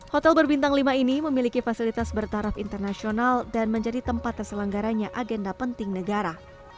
hotel berbintang lima ini memiliki fasilitas bertaraf internasional dan menjadi tempat terselenggaranya agenda penting negara